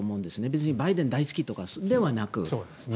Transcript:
別にバイデン大好きとかではなく。